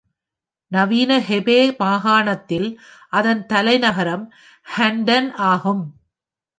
நவீன ஹெபே மாகாணத்தில் அதன் தலைநகரம் ஹண்டன் ஆகும்.